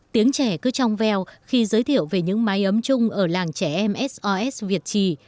tiếng trẻ cứ trong veo khi giới thiệu về những mái ấm chung ở làng trẻ msos việt tri